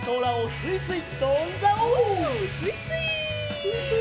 すいすい！